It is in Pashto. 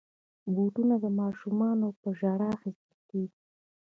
بوټونه د ماشومانو په ژړا اخیستل کېږي.